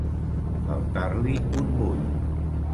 Faltar-li un bull.